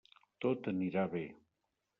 Tot anirà bé.